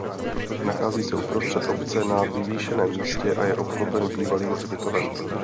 Nachází se uprostřed obce na vyvýšeném místě a je obklopen bývalým hřbitovem.